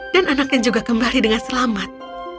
dan anaknya juga kembali dengan selamat